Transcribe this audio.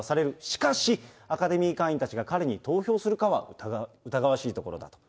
しかし、アカデミー会員たちが彼に投票するかは、疑わしいところだと。